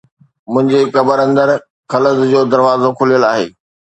منهنجي قبر اندر خلد جو دروازو کليل آهي